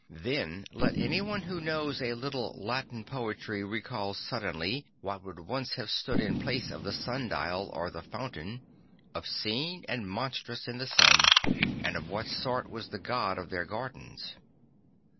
Then, let 3 2 St. Francis of Assisi anyone who knows a little Latin poetry recall suddenly what would once have stood in place of the sun dial or the fountain, obscene and monstrous in the sun; and of what sort was the god of their gardens.